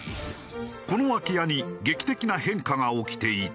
この空き家に劇的な変化が起きていた。